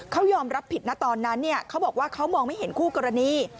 เขายอมรับผิดนะตอนนั้นเขาบอกว่าเขามองไม่เห็นคู่กรณี